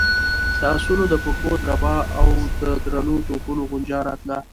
د آسونو د پښو دربا او د درنو توپونو غنجا راتله.